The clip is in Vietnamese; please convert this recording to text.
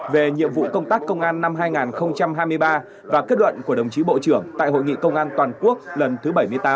về nhiệm vụ công tác công an năm hai nghìn hai mươi ba và kết luận của đồng chí bộ trưởng tại hội nghị công an toàn quốc lần thứ bảy mươi tám